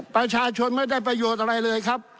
ประชาชนไม่ได้ประโยชน์อะไรเลยครับ